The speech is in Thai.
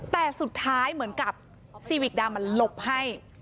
แต่สุดท้ายเหมือนกับซีวิกดำมันหลบให้